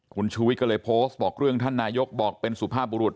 คุณชูวิทย์ก็เลยโพสต์บอกเรื่องท่านนายกบอกเป็นสุภาพบุรุษ